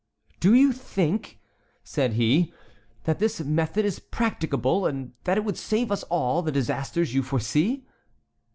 "Do you think," said he, "that this method is practicable and that it would save us all the disasters you foresee?"